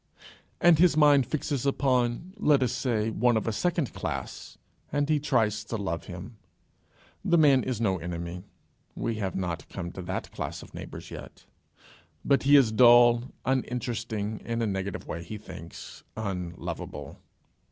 and his mind fixes upon let us say one of a second class, and he tries to love him. The man is no enemy we have not come to that class of neighbours yet but he is dull, uninteresting in a negative way, he thinks, unlovable.